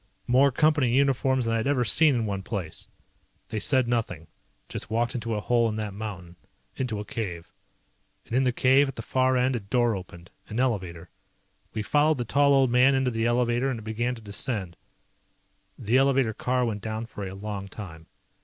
More Company uniforms than I had ever seen in one place. They said nothing. Just walked into a hole in that mountain. Into a cave. And in the cave, at the far end, a door opened. An elevator. We followed the tall old man into the elevator and it began to descend. The elevator car went down for a long time.